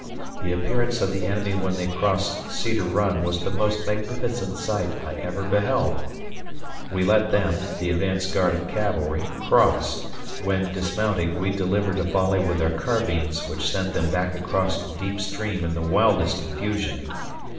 ... The appearance of the enemy when they crossed Cedar Run was the most magnificent sight I ever beheld.... We let them [advance guard of cavalry] cross, when, dismounting, we delivered a volley with our carbines which sent them back across the deep stream in the wildest confusion.